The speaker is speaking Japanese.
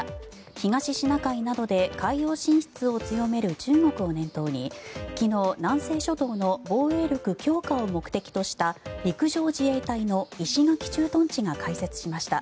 東シナ海などで海洋進出を強める中国を念頭に昨日、南西諸島の防衛力強化を目的とした陸上自衛隊の石垣駐屯地が開設しました。